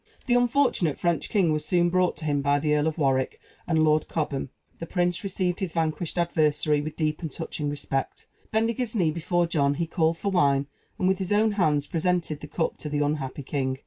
The unfortunate French king was soon brought to him by the Earl of Warwick and Lord Cobham. The prince received his vanquished adversary with deep and touching respect. Bending his knee before John, he called for wine, and, with his own hands, presented the cup to the unhappy king.